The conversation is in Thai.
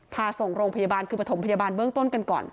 พาส่งโรงพยาบาลคือประถมพยาบาลเบื้องต้นกันก่อน